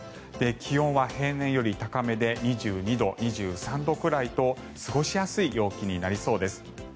気温は平年より高めで２２度、２３度くらいと過ごしやすい陽気になりそうです。